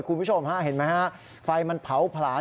คุณผู้ชมฮะเห็นไหมฮะไฟมันเผาผลาญ